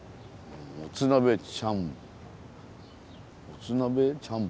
「もつ鍋ちゃん」